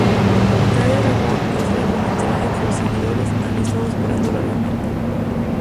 Thai Dragon es el largometraje que los seguidores han estado esperando largamente.